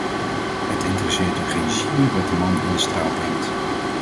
Het interesseert u geen zier wat de man in de straat denkt.